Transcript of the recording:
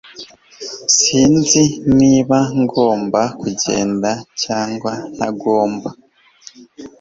Sinzi niba ngomba kugenda cyangwa ntagomba